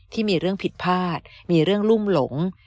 ที่มีเรื่องผิดพลาดมีเรื่องลุ่มหลง